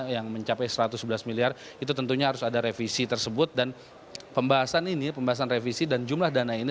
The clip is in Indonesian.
yang mencapai satu ratus sebelas miliar itu tentunya harus ada revisi tersebut dan pembahasan ini pembahasan revisi dan jumlah dana ini